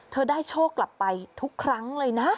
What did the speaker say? ได้โชคกลับไปทุกครั้งเลยนะ